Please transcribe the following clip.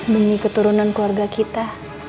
bumi keturunan keluarga kita